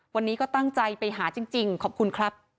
วันนี้ก็ตั้งใจไปหาจริงขอบคุณครับ